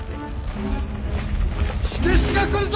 火消しが来るぞ！